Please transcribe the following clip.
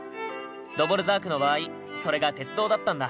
ドヴォルザークの場合それが鉄道だったんだ。